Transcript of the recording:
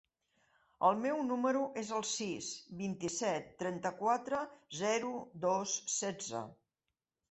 El meu número es el sis, vint-i-set, trenta-quatre, zero, dos, setze.